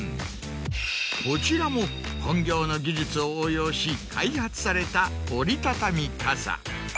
こちらも本業の技術を応用し開発された折り畳み傘。